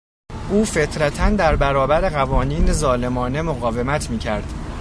او فطرتا در برابر قوانین ظالمانه مقاومت میکرد.